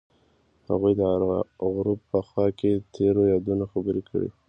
هغوی د غروب په خوا کې تیرو یادونو خبرې کړې.